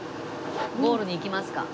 ゴールに行きますか。